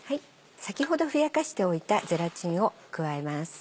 先ほどふやかしておいたゼラチンを加えます。